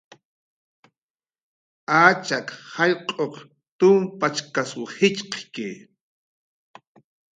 Achak jallq'uq tumpachkasw jitxqki